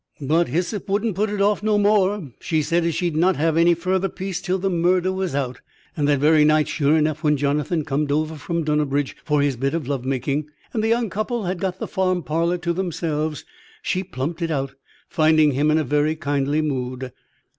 But Hyssop wouldn't put it off no more; she said as she'd not have any further peace till the murder was out. And that very night, sure enough when Jonathan comed over from Dunnabridge for his bit of love making, and the young couple had got the farm parlor to themselves, she plumped it out, finding him in a very kindly mood.